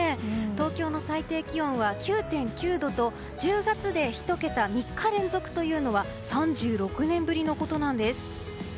東京の最低気温は９．９度と１０月で１桁３日連続というのは３６年ぶりのことなんです。